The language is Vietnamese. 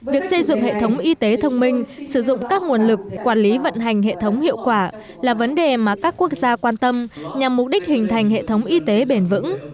việc xây dựng hệ thống y tế thông minh sử dụng các nguồn lực quản lý vận hành hệ thống hiệu quả là vấn đề mà các quốc gia quan tâm nhằm mục đích hình thành hệ thống y tế bền vững